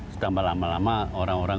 ditambah lama lama orang orang